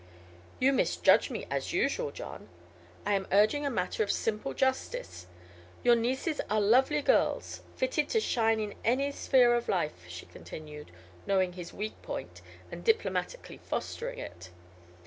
"You misjudge me, as usual, John. I am urging a matter of simple justice. Your nieces are lovely girls, fitted to shine in any sphere of life," she continued, knowing his weak point and diplomatically fostering it.